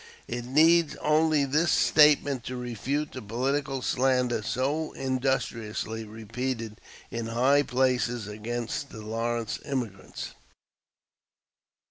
It needs only this statement to refute the political slander so industriously repeated in high places against the Lawrence immigrants.